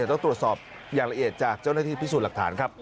ต้องตรวจสอบอย่างละเอียดจากเจ้าหน้าที่พิสูจน์หลักฐานครับ